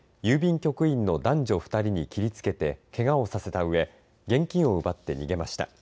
局員の男女２人に切りつけてけがをさせたうえ現金を奪って逃げました。